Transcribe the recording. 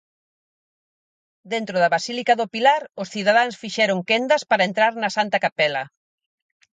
Dentro da Basílica do Pilar os cidadáns fixeron quendas para entrar na Santa Capela.